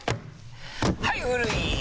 はい古い！